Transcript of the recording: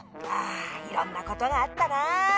ああいろんなことがあったな。